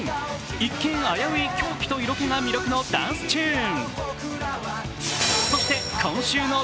一見危うい狂気と色気が魅力のダンスチューン。